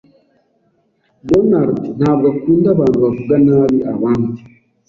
Donald ntabwo akunda abantu bavuga nabi abandi.